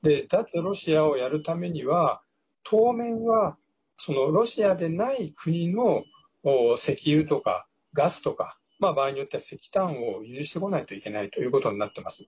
ロシアをやるためには、当面はロシアでない国の石油とかガスとか場合によっては石炭を輸入してこないといけないということになってます。